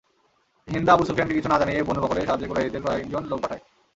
Hinda Abu সুফিয়ানকে কিছু না জানিয়েই বনু বকরের সাহায্যে কুরাইশদের কয়েকজন লোক পাঠায়।